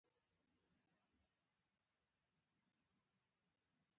ټول کلیوال د علي د وینې تږي دي.